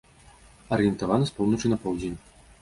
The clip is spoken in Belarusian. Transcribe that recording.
Арыентавана з поўначы на поўдзень.